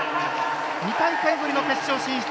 ２大会ぶりの決勝進出！